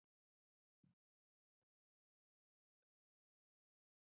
بدرنګه سلوک انسانیت وژني